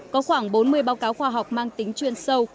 có khoảng bốn mươi báo cáo khoa học mang tính chuyên sâu